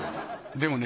でもね